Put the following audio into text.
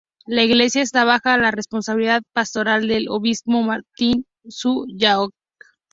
La iglesia esta baja la responsabilidad pastoral del obispo Martin Su Yao-wen.